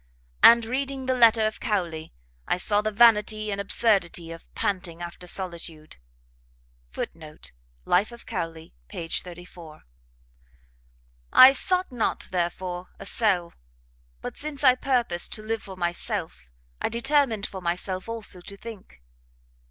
] and reading the letter of Cowley, I saw the vanity and absurdity of panting after solitude. [Footnote: Life of Cowley, p.34.] "I sought not, therefore, a cell; but, since I purposed to live for myself, I determined for myself also to think.